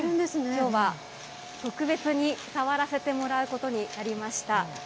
きょうは特別に触らせてもらうことになりました。